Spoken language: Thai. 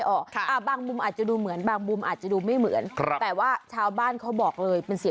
โอ้โฮจอมปลวกอยู่นี่